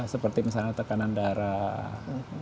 seperti misalnya tekanan darah